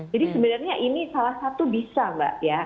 jadi sebenarnya ini salah satu bisa mbak ya